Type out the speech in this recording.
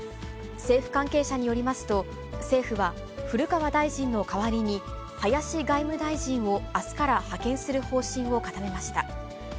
政府関係者によりますと、政府は、古川大臣の代わりに、林外務大臣をあすから派遣する方針を固めました。